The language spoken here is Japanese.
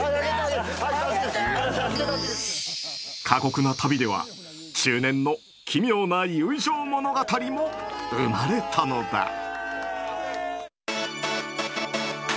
過酷な旅では中年の奇妙な友情物語も生まれたのだ。